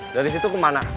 dari situ kemana